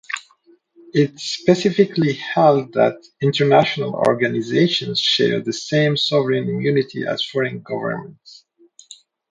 It specifically held that international organizations shared the same sovereign immunity as foreign governments.